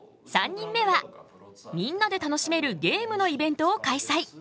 ３人目はみんなで楽しめるゲームのイベントを開催。